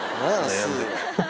悩んでる？